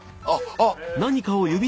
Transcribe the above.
あっ。